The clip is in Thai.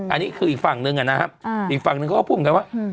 อันนี้คืออีกฝั่งหนึ่งนะครับอีกฝั่งนึงเขาก็พูดเหมือนกันว่า